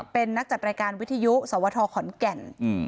เป็นนักจัดรายการวิทยุสวทขอนแก่น